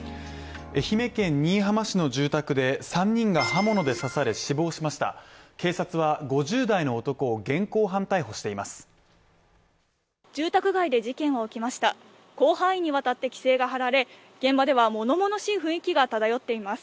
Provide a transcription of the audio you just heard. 愛媛県新居浜市の住宅で、３人が刃物で刺され死亡しました警察は５０代の男を現行犯逮捕しています。